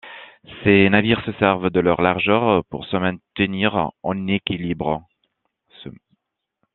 Ces navires se servent de leur largeur pour se maintenir en équilibre.